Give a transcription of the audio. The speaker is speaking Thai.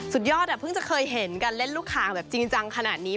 สุดยอดเพิ่งจะเคยเห็นการเล่นลูกคางแบบจริงจังขนาดนี้